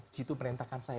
situ merintahkan saya